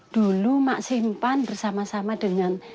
dulu mak simpan bersama sama dengan